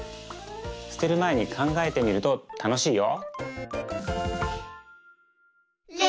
すてるまえにかんがえてみるとたのしいよ！